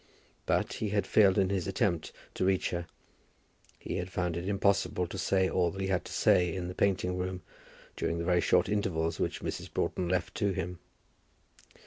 But he had failed in his attempt to reach her. He had found it impossible to say all that he had to say in the painting room, during the very short intervals which Mrs. Broughton left to him.